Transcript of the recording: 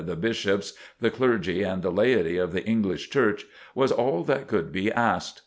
the Bishops, the clergy and the laity of the English Church was all that could be asked.